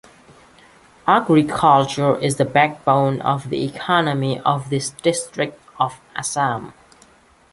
Agriculture is the backbone of the economy of this district of Assam.